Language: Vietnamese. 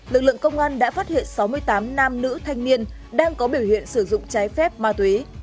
lực lượng công an đã phát hiện sáu mươi tám nam nữ thanh niên đang có biểu hiện sử dụng trái phép ma túy